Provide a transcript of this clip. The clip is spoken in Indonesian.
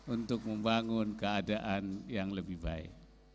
untuk membangun keadaan yang lebih baik